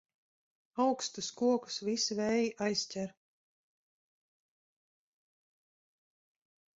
Augstus kokus visi vēji aizķer.